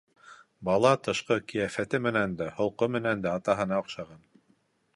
Бала тышҡы ҡиәфәте менән дә, холҡо менән дә атаһына оҡшаған.